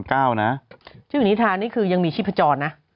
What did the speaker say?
เจ้าหญิงนิทรานี่คือยังมีชีพจรนะ